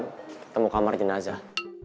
ke depan ketemu kamar jenazah